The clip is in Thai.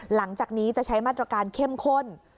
หลังจากนี้จะใช้มาตรการเข้มข้น